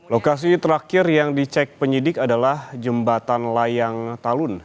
lokasi terakhir yang dicek penyidik adalah jembatan layang talun